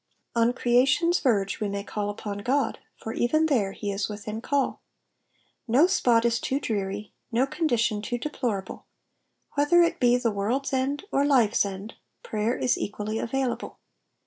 On creation's verge we may call upon God, for even there he is within call. No spot is too dreary, no condition too deplor able ; whether it be the world^s end or life's end, prayer is equully available.